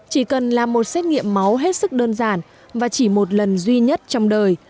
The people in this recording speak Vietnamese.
chỉ cần là một xét nghiệm máu hết sức đơn giản và chỉ một lần duy nhất trong đời